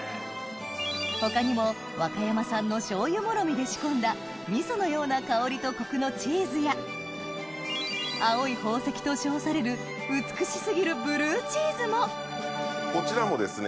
他にも和歌山産の醤油もろみで仕込んだみそのような香りとコクのチーズや青い宝石と称される美し過ぎるブルーチーズもこちらもですね